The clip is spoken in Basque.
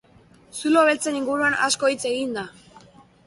Zulo beltzen inguruan asko hitz egin da.